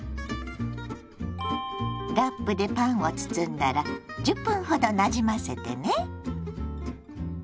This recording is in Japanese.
ラップでパンを包んだら１０分ほどなじませてね。